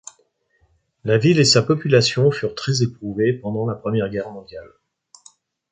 La ville et sa population furent très éprouvée pendant la Première Guerre mondiale.